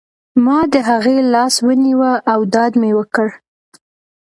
ما د هغې لاس ونیو او ډاډ مې ورکړ